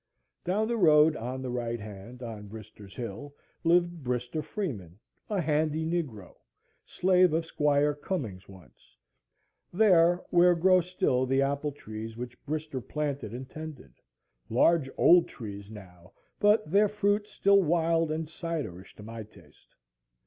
Down the road, on the right hand, on Brister's Hill, lived Brister Freeman, "a handy Negro," slave of Squire Cummings once,—there where grow still the apple trees which Brister planted and tended; large old trees now, but their fruit still wild and ciderish to my taste.